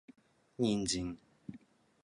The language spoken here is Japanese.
人参